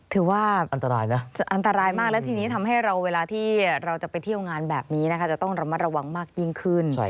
ถือว่าอันตรายนะอันตรายมากและทีนี้ทำให้เราเวลาที่เราจะไปเที่ยวงานแบบนี้นะคะจะต้องระมัดระวังมากยิ่งขึ้น